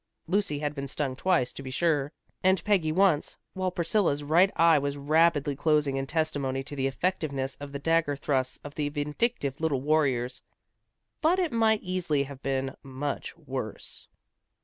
Lucy had been stung twice, to be sure, and Peggy once, while Priscilla's right eye was rapidly closing in testimony to the effectiveness of the dagger thrusts of the vindictive little warriors. But it might easily have been much worse.